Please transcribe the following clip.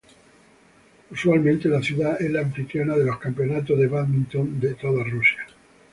Usualmente, la ciudad es la anfitriona de los campeonatos de bádminton de toda Rusia.